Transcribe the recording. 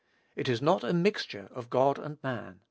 It is not a mixture of God and man.